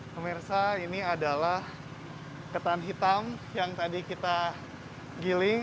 pemirsa ini adalah ketan hitam yang tadi kita giling